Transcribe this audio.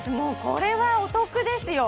これはお得ですよ